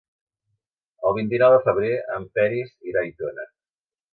El vint-i-nou de febrer en Peris irà a Aitona.